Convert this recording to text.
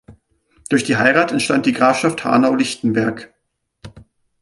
Durch die Heirat entstand die Grafschaft Hanau-Lichtenberg.